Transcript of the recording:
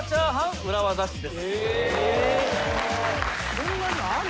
そんなにある？